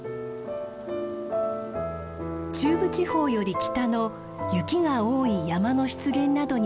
中部地方より北の雪が多い山の湿原などに分布する植物です。